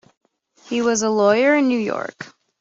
He was a lawyer in New York.